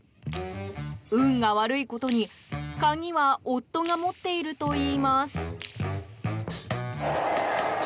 運が悪いことに鍵は夫が持っているといいます。